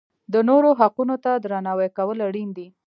د نورو حقونو ته درناوی کول اړین دي.